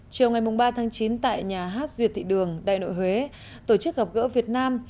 chiều ngày ba tháng chín tại nhà hát duyệt thị đường đại nội huế tổ chức gặp gỡ việt nam